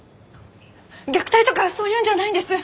虐待とかそういうんじゃないんです。